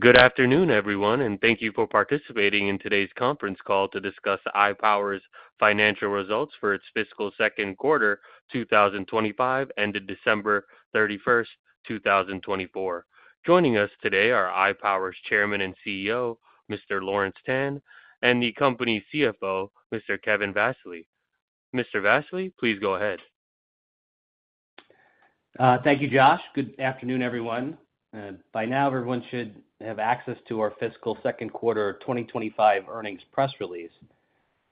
Good afternoon, everyone, and thank you for participating in today's conference call to discuss iPower's financial results for its fiscal second quarter, 2025, ended December 31, 2024. Joining us today are iPower's Chairman and CEO, Mr. Lawrence Tan, and the company's CFO, Mr. Kevin Vassily. Mr. Vassily, please go ahead. Thank you, Josh. Good afternoon, everyone. By now, everyone should have access to our fiscal second quarter 2025 earnings press release,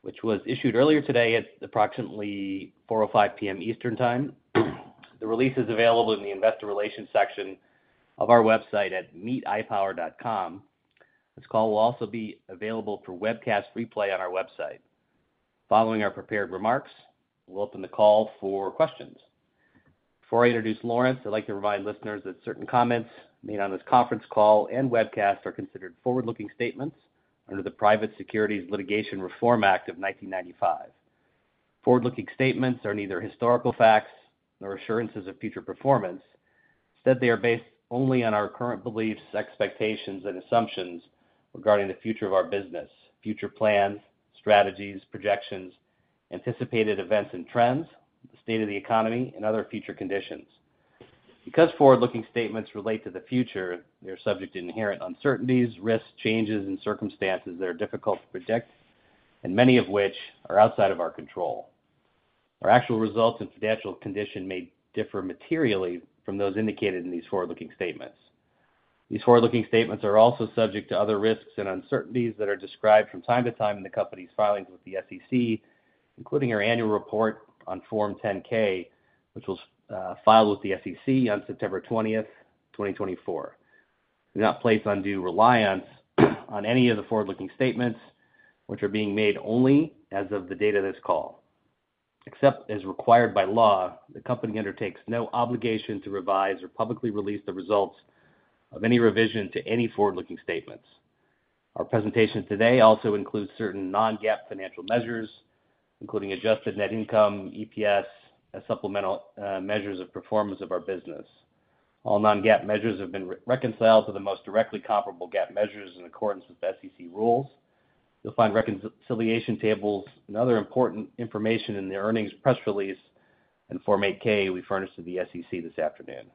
which was issued earlier today at approximately 4:05 P.M. Eastern Time. The release is available in the Investor Relations section of our website at meetipower.com. This call will also be available for webcast replay on our website. Following our prepared remarks, we'll open the call for questions. Before I introduce Lawrence, I'd like to remind listeners that certain comments made on this conference call and webcast are considered forward-looking statements under the Private Securities Litigation Reform Act of 1995. Forward-looking statements are neither historical facts nor assurances of future performance. Instead, they are based only on our current beliefs, expectations, and assumptions regarding the future of our business, future plans, strategies, projections, anticipated events and trends, the state of the economy, and other future conditions. Because forward-looking statements relate to the future, they are subject to inherent uncertainties, risks, changes, and circumstances that are difficult to predict, and many of which are outside of our control. Our actual results and financial condition may differ materially from those indicated in these forward-looking statements. These forward-looking statements are also subject to other risks and uncertainties that are described from time to time in the company's filings with the SEC, including our annual report on Form 10-K, which was filed with the SEC on September 20, 2024. We do not place undue reliance on any of the forward-looking statements, which are being made only as of the date of this call. Except as required by law, the company undertakes no obligation to revise or publicly release the results of any revision to any forward-looking statements. Our presentation today also includes certain non-GAAP financial measures, including adjusted net income, EPS, as supplemental measures of performance of our business. All non-GAAP measures have been reconciled to the most directly comparable GAAP measures in accordance with SEC rules. You'll find reconciliation tables and other important information in the earnings press release and Form 8-K we furnished to the SEC this afternoon.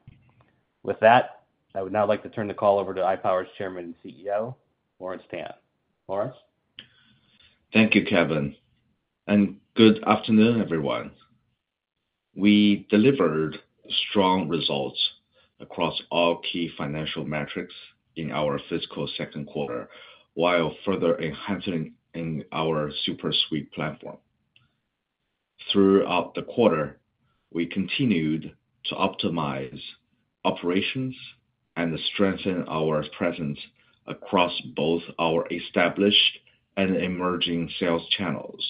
With that, I would now like to turn the call over to iPower's Chairman and CEO, Lawrence Tan. Lawrence? Thank you, Kevin. Good afternoon, everyone. We delivered strong results across all key financial metrics in our fiscal second quarter while further enhancing our SuperSuite platform. Throughout the quarter, we continued to optimize operations and strengthen our presence across both our established and emerging sales channels.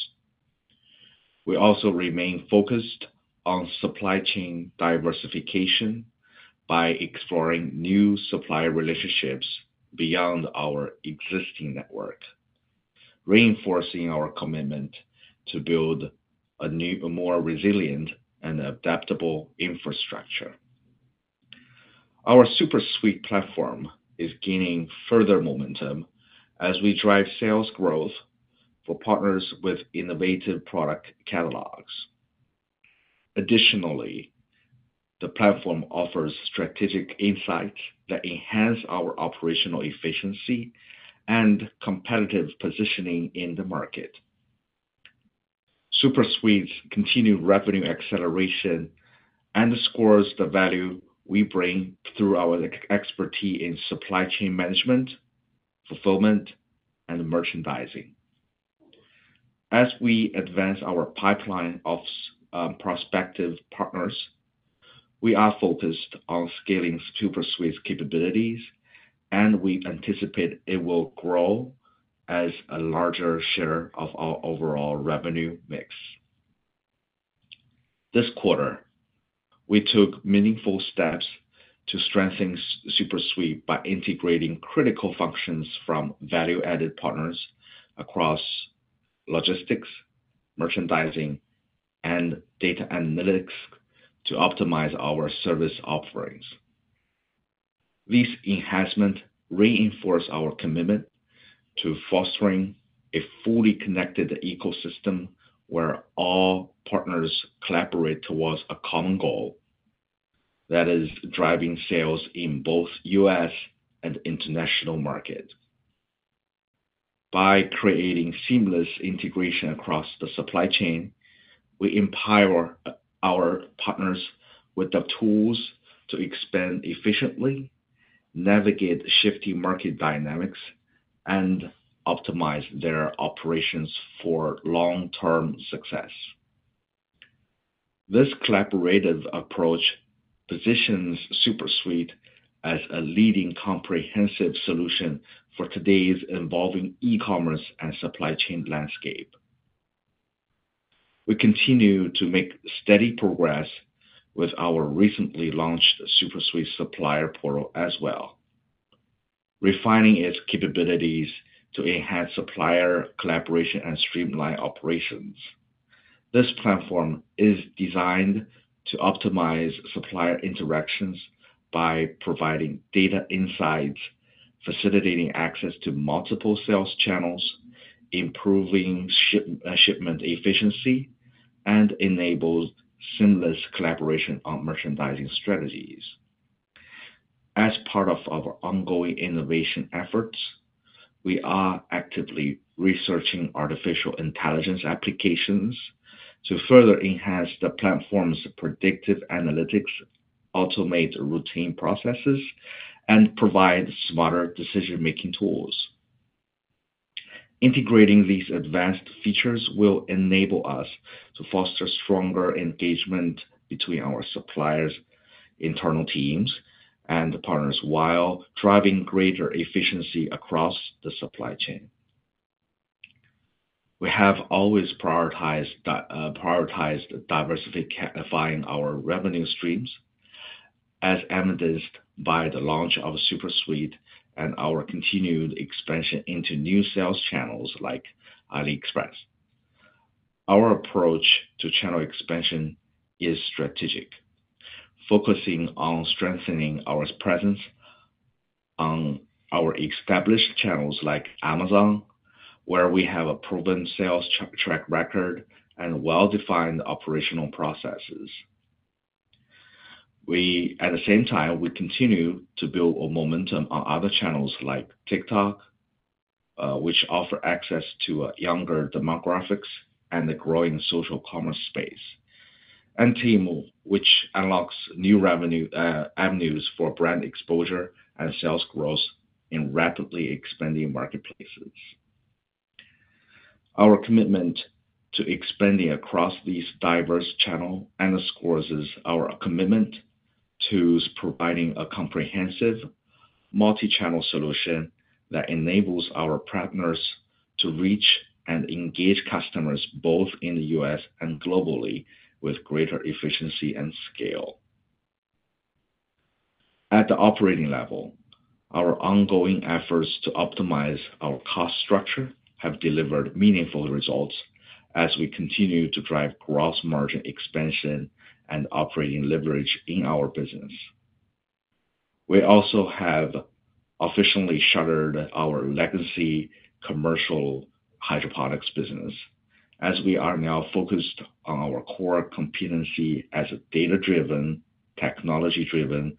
We also remain focused on supply chain diversification by exploring new supplier relationships beyond our existing network, reinforcing our commitment to build a more resilient and adaptable infrastructure. Our SuperSuite platform is gaining further momentum as we drive sales growth for partners with innovative product catalogs. Additionally, the platform offers strategic insights that enhance our operational efficiency and competitive positioning in the market. SuperSuite's continued revenue acceleration underscores the value we bring through our expertise in supply chain management, fulfillment, and merchandising. As we advance our pipeline of prospective partners, we are focused on scaling SuperSuite's capabilities, and we anticipate it will grow as a larger share of our overall revenue mix. This quarter, we took meaningful steps to strengthen SuperSuite by integrating critical functions from value-added partners across logistics, merchandising, and data analytics to optimize our service offerings. These enhancements reinforce our commitment to fostering a fully connected ecosystem where all partners collaborate towards a common goal that is driving sales in both U.S. and international markets. By creating seamless integration across the supply chain, we empower our partners with the tools to expand efficiently, navigate shifting market dynamics, and optimize their operations for long-term success. This collaborative approach positions SuperSuite as a leading comprehensive solution for today's evolving e-commerce and supply chain landscape. We continue to make steady progress with our recently launched SuperSuite Supplier Portal as well, refining its capabilities to enhance supplier collaboration and streamline operations. This platform is designed to optimize supplier interactions by providing data insights, facilitating access to multiple sales channels, improving shipment efficiency, and enabling seamless collaboration on merchandising strategies. As part of our ongoing innovation efforts, we are actively researching artificial intelligence applications to further enhance the platform's predictive analytics, automate routine processes, and provide smarter decision-making tools. Integrating these advanced features will enable us to foster stronger engagement between our suppliers, internal teams, and partners while driving greater efficiency across the supply chain. We have always prioritized diversifying our revenue streams as evidenced by the launch of SuperSuite and our continued expansion into new sales channels like AliExpress. Our approach to channel expansion is strategic, focusing on strengthening our presence on our established channels like Amazon, where we have a proven sales track record and well-defined operational processes. At the same time, we continue to build momentum on other channels like TikTok, which offers access to younger demographics and the growing social commerce space, and Temu, which unlocks new revenue avenues for brand exposure and sales growth in rapidly expanding marketplaces. Our commitment to expanding across these diverse channels underscores our commitment to providing a comprehensive multi-channel solution that enables our partners to reach and engage customers both in the U.S. and globally with greater efficiency and scale. At the operating level, our ongoing efforts to optimize our cost structure have delivered meaningful results as we continue to drive gross margin expansion and operating leverage in our business. We also have officially shuttered our legacy commercial hydroponics business as we are now focused on our core competency as a data-driven, technology-driven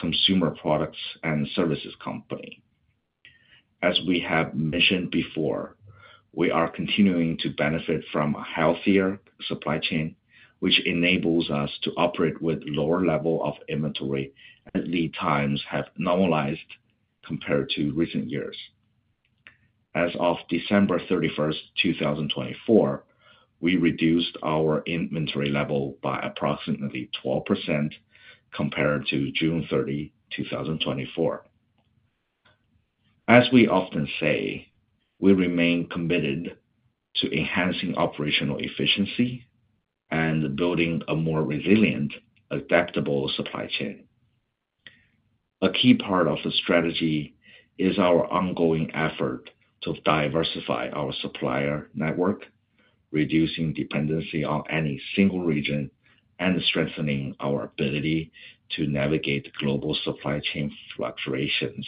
consumer products and services company. As we have mentioned before, we are continuing to benefit from a healthier supply chain, which enables us to operate with a lower level of inventory as lead times have normalized compared to recent years. As of December 31, 2024, we reduced our inventory level by approximately 12% compared to June 30, 2024. As we often say, we remain committed to enhancing operational efficiency and building a more resilient, adaptable supply chain. A key part of the strategy is our ongoing effort to diversify our supplier network, reducing dependency on any single region and strengthening our ability to navigate global supply chain fluctuations.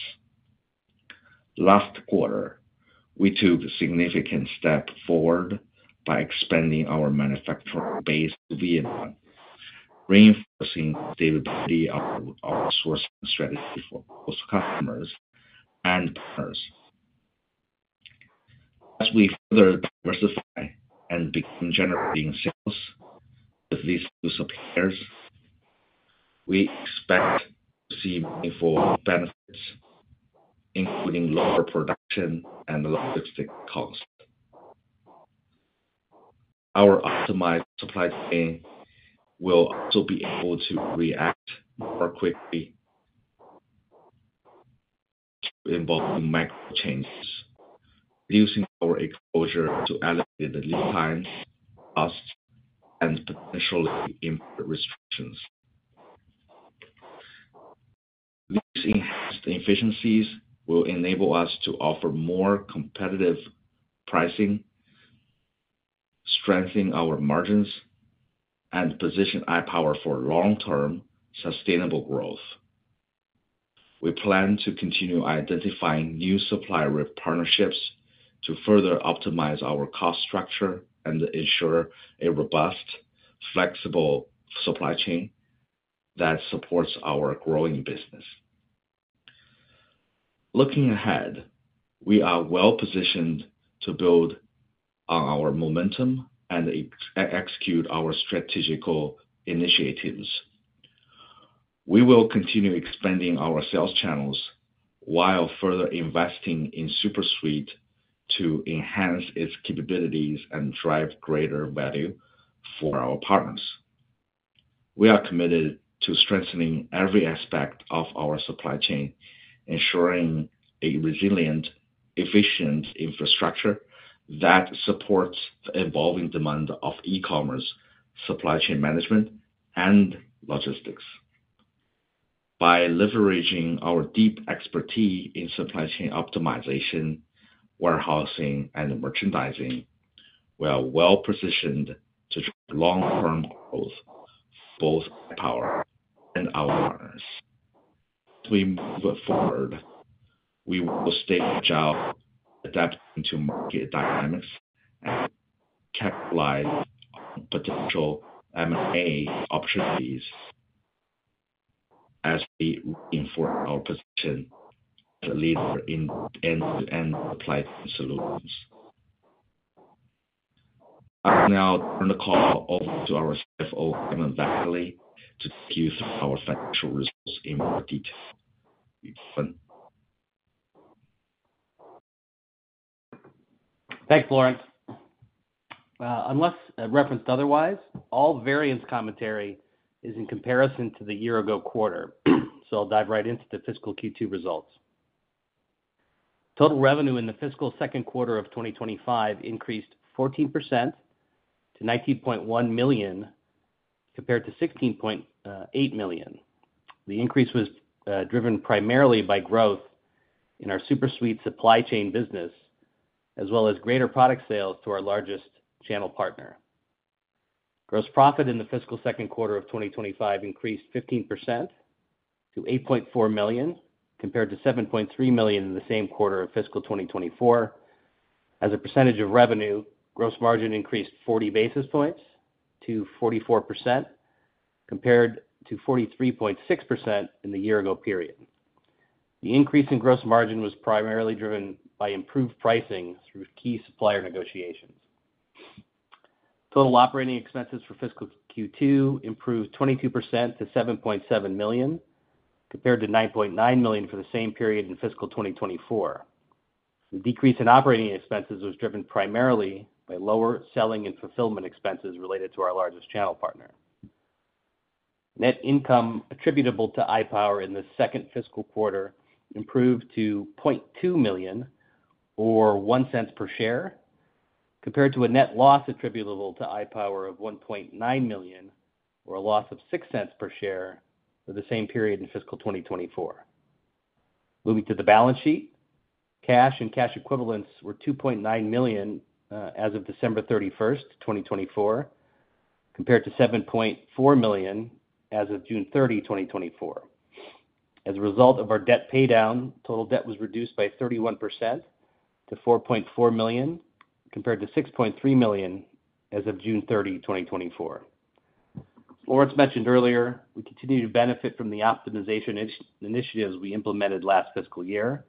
Last quarter, we took a significant step forward by expanding our manufacturing base to Vietnam, reinforcing the stability of our outsourcing strategy for both customers and partners. As we further diversify and begin generating sales with these new suppliers, we expect to see meaningful benefits, including lower production and logistics costs. Our optimized supply chain will also be able to react more quickly to evolving micro-changes, reducing our exposure to elevated lead times, costs, and potentially import restrictions. These enhanced efficiencies will enable us to offer more competitive pricing, strengthen our margins, and position iPower for long-term sustainable growth. We plan to continue identifying new supplier partnerships to further optimize our cost structure and ensure a robust, flexible supply chain that supports our growing business. Looking ahead, we are well-positioned to build on our momentum and execute our strategical initiatives. We will continue expanding our sales channels while further investing in SuperSuite to enhance its capabilities and drive greater value for our partners. We are committed to strengthening every aspect of our supply chain, ensuring a resilient, efficient infrastructure that supports the evolving demand of e-commerce, supply chain management, and logistics. By leveraging our deep expertise in supply chain optimization, warehousing, and merchandising, we are well-positioned to drive long-term growth for both iPower and our partners. As we move forward, we will stay agile, adapting to market dynamics and capitalize on potential M&A opportunities as we reinforce our position as a leader in end-to-end supply chain solutions. I will now turn the call over to our CFO, Kevin Vassily, to take you through our financial results in more detail. Thanks, Lawrence. Unless referenced otherwise, all variance commentary is in comparison to the year-ago quarter. I'll dive right into the fiscal Q2 results. Total revenue in the fiscal second quarter of 2025 increased 14% to $19.1 million compared to $16.8 million. The increase was driven primarily by growth in our SuperSuite supply chain business, as well as greater product sales to our largest channel partner. Gross profit in the fiscal second quarter of 2025 increased 15% to $8.4 million compared to $7.3 million in the same quarter of fiscal 2024. As a percentage of revenue, gross margin increased 40 basis points to 44% compared to 43.6% in the year-ago period. The increase in gross margin was primarily driven by improved pricing through key supplier negotiations. Total operating expenses for fiscal Q2 improved 22% to $7.7 million compared to $9.9 million for the same period in fiscal 2024. The decrease in operating expenses was driven primarily by lower selling and fulfillment expenses related to our largest channel partner. Net income attributable to iPower in the second fiscal quarter improved to $0.2 million, or $0.01 per share, compared to a net loss attributable to iPower of $1.9 million, or a loss of $0.06 per share for the same period in fiscal 2024. Moving to the balance sheet, cash and cash equivalents were $2.9 million as of December 31, 2024, compared to $7.4 million as of June 30, 2024. As a result of our debt paydown, total debt was reduced by 31% to $4.4 million compared to $6.3 million as of June 30, 2024. As Lawrence mentioned earlier, we continue to benefit from the optimization initiatives we implemented last fiscal year,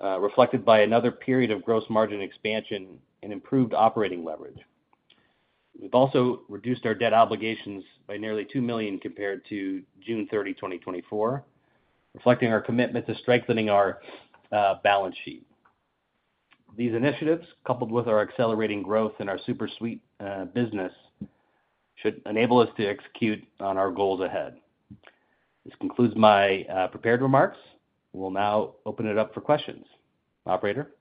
reflected by another period of gross margin expansion and improved operating leverage. We've also reduced our debt obligations by nearly $2 million compared to June 30, 2024, reflecting our commitment to strengthening our balance sheet. These initiatives, coupled with our accelerating growth in our SuperSuite business, should enable us to execute on our goals ahead. This concludes my prepared remarks. We'll now open it up for questions. Operator?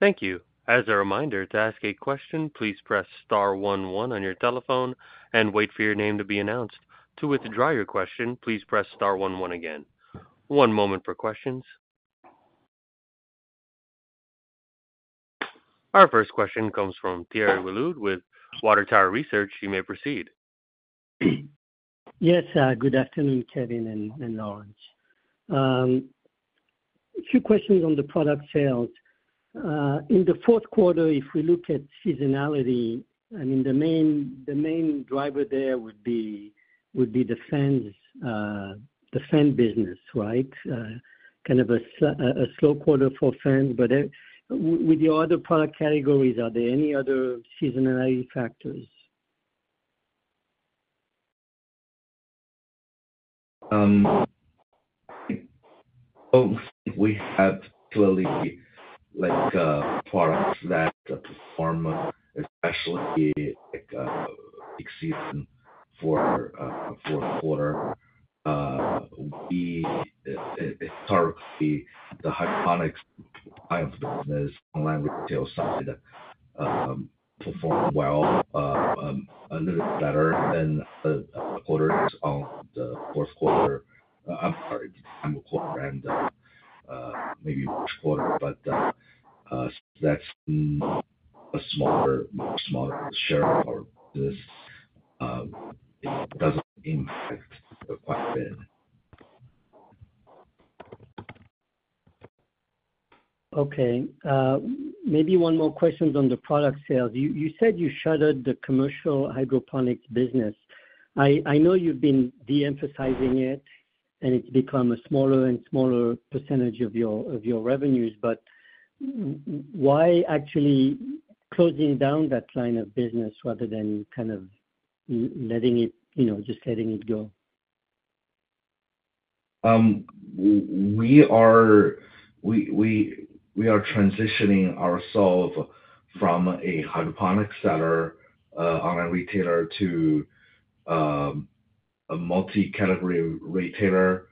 Thank you. As a reminder, to ask a question, please press star 11 on your telephone and wait for your name to be announced. To withdraw your question, please press star 11 again. One moment for questions. Our first question comes from Thierry Wuilloud with Water Tower Research. You may proceed. Yes. Good afternoon, Kevin and Lawrence. A few questions on the product sales. In the fourth quarter, if we look at seasonality, I mean, the main driver there would be the fan business, right? Kind of a slow quarter for fans. With your other product categories, are there any other seasonality factors? We have products that perform, especially peak season for fourth quarter. Historically, the hydroponics line of business, online retail side performed well, a little bit better than the quarters on the fourth quarter. I'm sorry, the final quarter and maybe first quarter, but that's a smaller, much smaller share of our business. It doesn't impact quite a bit. Okay. Maybe one more question on the product sales. You said you shuttered the commercial hydroponics business. I know you've been de-emphasizing it, and it's become a smaller and smaller percentage of your revenues. But why actually closing down that line of business rather than kind of letting it just letting it go? We are transitioning ourselves from a hydroponic seller on a retailer to a multi-category retailer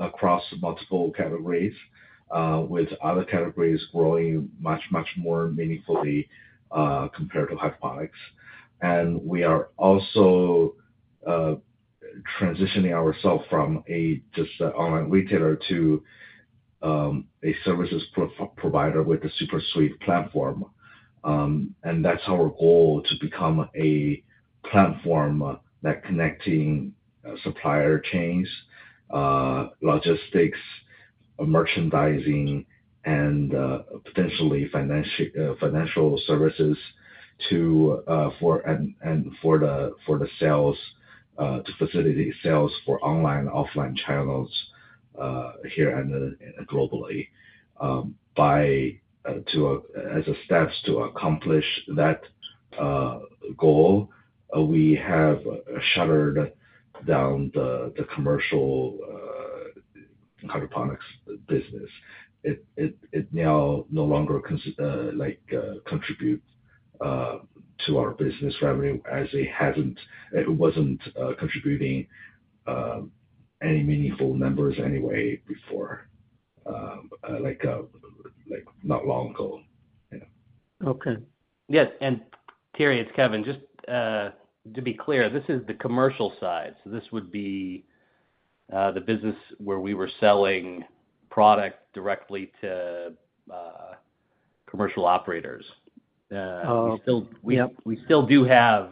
across multiple categories, with other categories growing much, much more meaningfully compared to hydroponics. We are also transitioning ourselves from just an online retailer to a services provider with a SuperSuite platform. That is our goal, to become a platform that connects supplier chains, logistics, merchandising, and potentially financial services for the sales to facilitate sales for online and offline channels here and globally. As a step to accomplish that goal, we have shuttered down the commercial hydroponics business. It now no longer contributes to our business revenue as it was not contributing any meaningful numbers anyway before, not long ago. Yes. Thierry, it is Kevin. Just to be clear, this is the commercial side. This would be the business where we were selling product directly to commercial operators. We still do have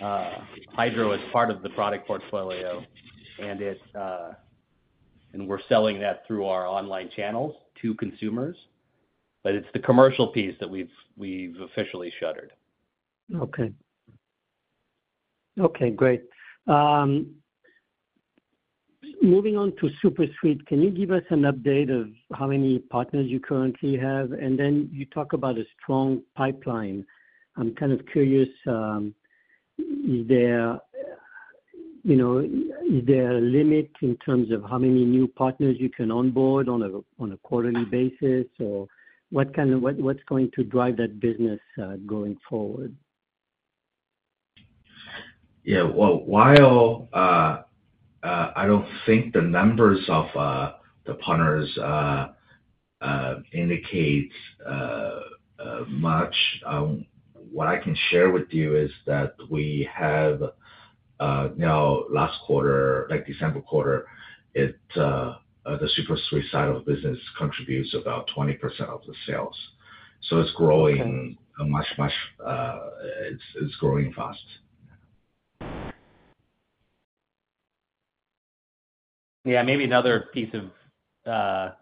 hydro as part of the product portfolio, and we're selling that through our online channels to consumers. It is the commercial piece that we've officially shuttered. Okay. Okay. Great. Moving on to SuperSuite, can you give us an update of how many partners you currently have? You talk about a strong pipeline. I'm kind of curious, is there a limit in terms of how many new partners you can onboard on a quarterly basis? What's going to drive that business going forward? Yeah. I don't think the numbers of the partners indicate much. What I can share with you is that we have now, last quarter, December quarter, the SuperSuite side of the business contributes about 20% of the sales. It's growing much, much—it's growing fast. Maybe another piece of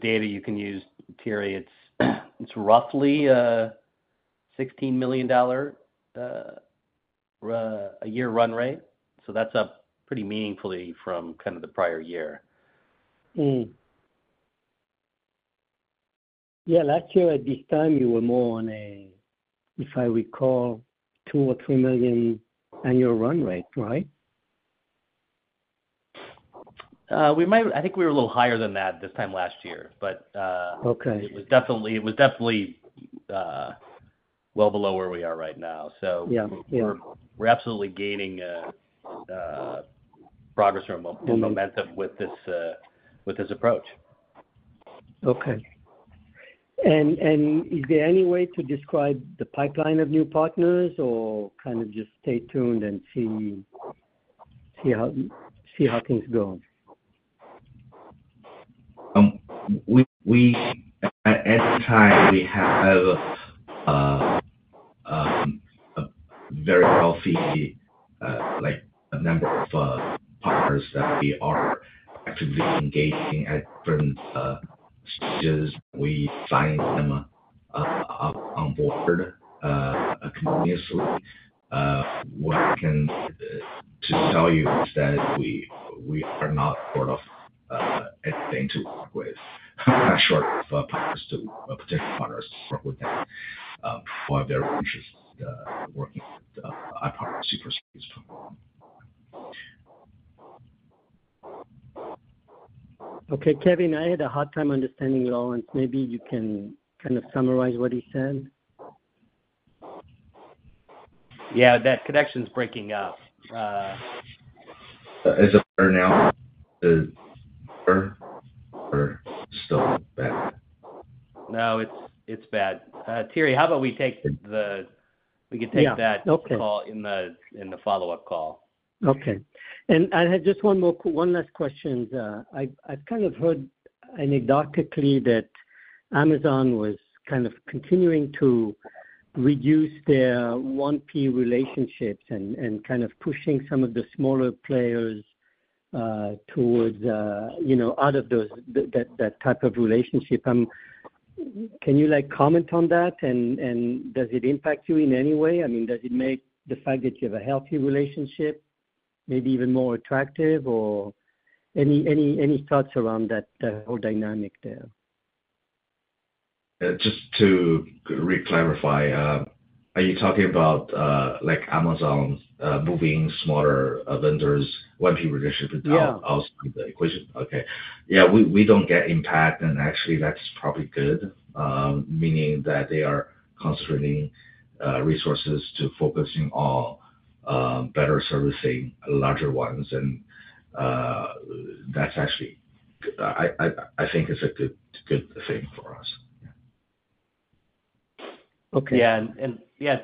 data you can use, Thierry. It's roughly $16 million a year run rate. That's up pretty meaningfully from kind of the prior year. Yeah. Last year, at this time, you were more on a, if I recall, 2 or 3 million annual run rate, right? I think we were a little higher than that this time last year. It was definitely well below where we are right now. We're absolutely gaining progress and momentum with this approach. Okay. Is there any way to describe the pipeline of new partners or kind of just stay tuned and see how things go? At this time, we have a very healthy number of partners that we are actively engaging at different stages. We sign them on board continuously. What I can just tell you is that we are not short of anything to work with. I'm not sure of potential partners to work with them. We're very interested in working with iPower SuperSuite's platform. Okay. Kevin, I had a hard time understanding Lawrence. Maybe you can kind of summarize what he said. Yeah. That connection's breaking up. Is it better now? Is it better? Or still bad? No, it's bad. Thierry, how about we take the we can take that call in the follow-up call. Okay. I had just one last question. I've kind of heard anecdotally that Amazon was kind of continuing to reduce their 1P relationships and kind of pushing some of the smaller players towards out of that type of relationship. Can you comment on that? Does it impact you in any way? I mean, does it make the fact that you have a healthy relationship maybe even more attractive? Any thoughts around that whole dynamic there? Just to reclarify, are you talking about Amazon moving smaller vendors' 1P relationship outside the equation? Yeah. Okay. Yeah. We don't get impact. Actually, that's probably good, meaning that they are concentrating resources to focusing on better servicing larger ones. That's actually, I think, is a good thing for us. Yeah.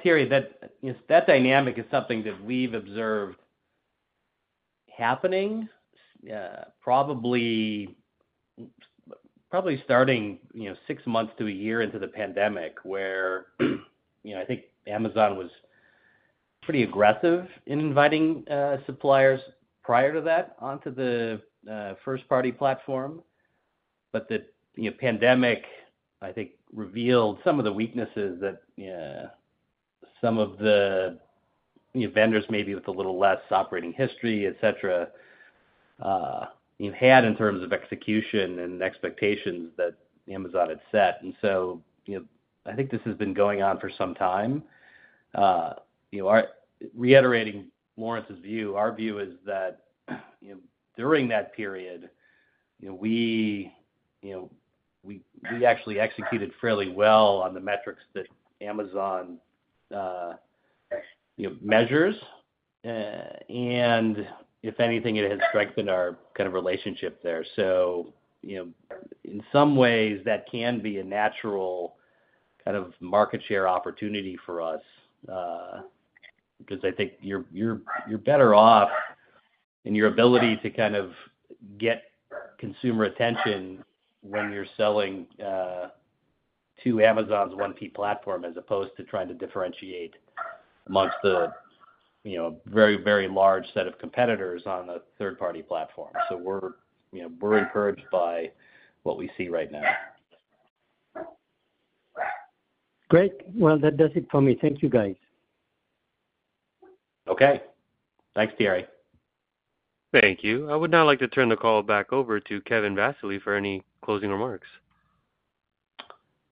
Thierry, that dynamic is something that we've observed happening probably starting six months to a year into the pandemic, where I think Amazon was pretty aggressive in inviting suppliers prior to that onto the first-party platform. The pandemic, I think, revealed some of the weaknesses that some of the vendors, maybe with a little less operating history, etc., had in terms of execution and expectations that Amazon had set. I think this has been going on for some time. Reiterating Lawrence's view, our view is that during that period, we actually executed fairly well on the metrics that Amazon measures. If anything, it has strengthened our kind of relationship there. In some ways, that can be a natural kind of market share opportunity for us because I think you're better off in your ability to kind of get consumer attention when you're selling to Amazon's 1P platform as opposed to trying to differentiate amongst a very, very large set of competitors on a third-party platform. We're encouraged by what we see right now. Great. That does it for me. Thank you, guys. Okay. Thanks, Thierry. Thank you. I would now like to turn the call back over to Kevin Vassily for any closing remarks.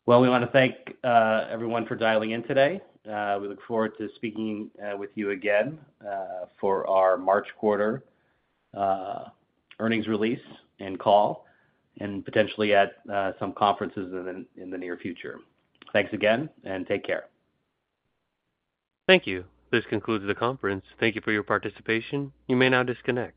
We want to thank everyone for dialing in today. We look forward to speaking with you again for our March quarter earnings release and call, and potentially at some conferences in the near future. Thanks again, and take care. Thank you. This concludes the conference. Thank you for your participation. You may now disconnect.